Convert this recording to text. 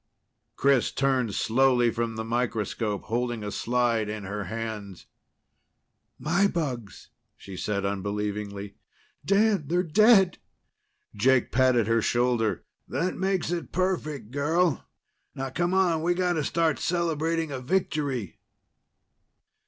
Chris turned slowly from the microscope, holding a slide in her hands. "My bugs," she said unbelievingly. "Dan, they're dead!" Jake patted her shoulder. "That makes it perfect, girl. Now come on. We've got to start celebrating a victory!"